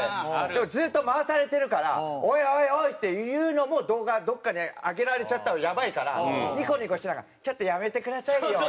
でもずっと回されてるから「おいおいおい！」って言うのも動画どこかに上げられちゃったらやばいからニコニコしながら「ちょっとやめてくださいよ」